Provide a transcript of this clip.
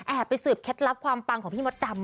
ไปสืบเคล็ดลับความปังของพี่มดดำ